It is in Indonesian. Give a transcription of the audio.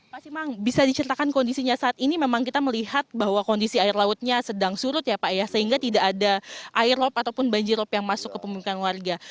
pak simang bisa diceritakan kondisinya saat ini memang kita melihat bahwa kondisi air lautnya sedang surut ya pak ya sehingga tidak ada air lop ataupun banjirop yang masuk ke pemukiman warga